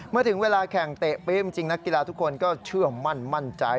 เมื่อถึงเวลาแข่งเตะปี๊บจริงนักกีฬาทุกคนก็เชื่อมั่นมั่นใจ